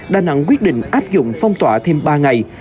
đà nẵng quyết định áp dụng phong tỏa thêm ba ngày